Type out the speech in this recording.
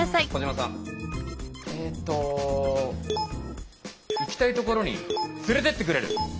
えっと行きたいところに連れてってくれる！